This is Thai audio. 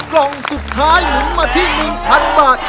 กล่องสุดท้ายหมุนมาที่๑๐๐๐บาท